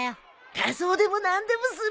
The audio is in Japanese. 仮装でも何でもするぜ！